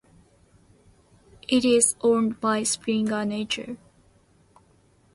It is owned by Springer Nature.